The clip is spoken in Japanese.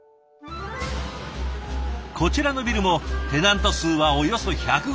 こちらのビルもテナント数はおよそ１５０。